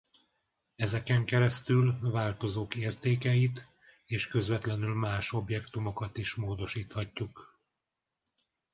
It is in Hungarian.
Ezeken keresztül változók értékeit és közvetlenül más objektumokat is módosíthatjuk.